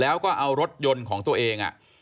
แล้วก็เอารถยนต์ของตัวเอง